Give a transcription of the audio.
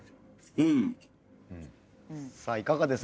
うん。